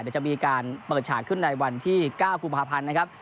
เดี๋ยวจะมีการเปิดฉากขึ้นในวันที่๙กุมภาพันธ์นะครับ